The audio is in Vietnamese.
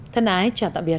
thân ái chào tạm biệt